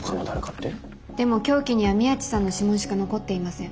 でも凶器には宮地さんの指紋しか残っていません。